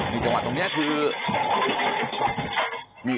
นี่เปิ้งมาตรงนี้เนี่ย